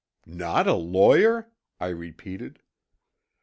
"Not a lawyer!" I repeated.